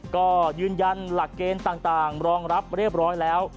ก็ยืนยันหลักเกณฑ์ต่างรองรับเรียบร้อยแล้ว